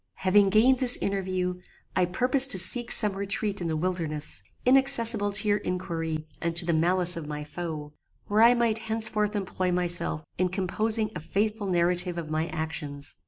"Having gained this interview, I purposed to seek some retreat in the wilderness, inaccessible to your inquiry and to the malice of my foe, where I might henceforth employ myself in composing a faithful narrative of my actions.